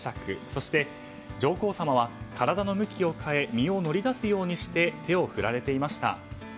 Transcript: そして上皇さまは体の向きを変え身を乗り出すようにして手を振られていました。